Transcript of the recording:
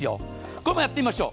これもやってみましょう。